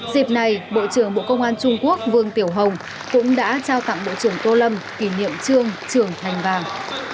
dịp này bộ trưởng bộ công an trung quốc vương tiểu hồng cũng đã trao tặng bộ trưởng tô lâm kỷ niệm trương trường thành vàng